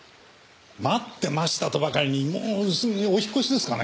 待ってましたとばかりにもうすぐにお引っ越しですかね。